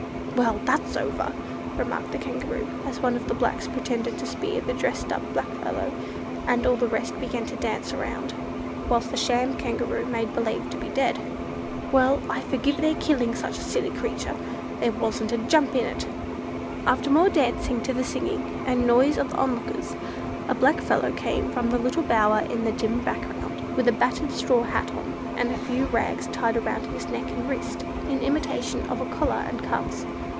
"Well, that's over!" remarked the Kangaroo, as one of the blacks pretended to spear the dressed up black fellow, and all the rest began to dance around, whilst the sham Kangaroo made believe to be dead. "Well, I forgive their killing such a silly creature! There wasn't a jump in it." After more dancing to the singing and noise of the on lookers, a black fellow came from the little bower in the dim back ground, with a battered straw hat on, and a few rags tied round his neck and wrist, in imitation of a collar and cuffs.